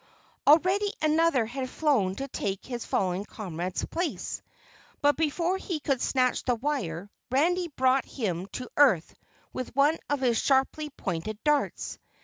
Already another had flown to take his fallen comrade's place, but before he could snatch the wire, Randy brought him to earth with one of his sharply pointed darts.